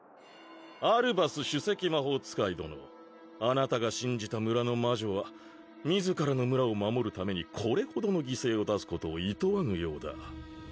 アルバス主席魔法使い殿あなたが信じた村の魔女は自らの村を守るためにこれほどの犠牲を出すことをいとわぬようだ